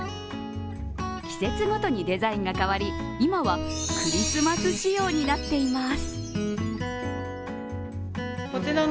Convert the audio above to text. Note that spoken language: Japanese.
季節ごとにデザインが変わり、今はクリスマス仕様になっています。